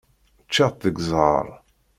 Ččiɣ-tt deg zzheṛ.